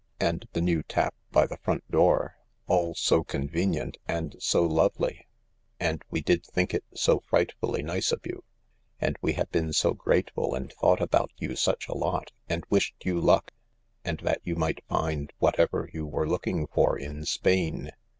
" And the new tap by the front door— all so con venient and so lovely. And we did think it so frightfully nice of you ; and we have been so grateful and thought about yousuch alot— and wished youluck ( andthat you might find whatever you were looking for in Spain.